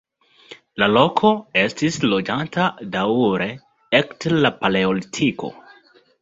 La loko estis loĝata daŭre ekde la paleolitiko.